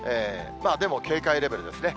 でも警戒レベルですね。